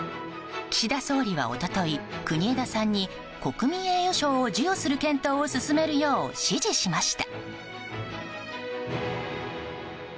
岸田総理は一昨日国枝さんに国民栄誉賞を授与する検討を進めるよう指示しました。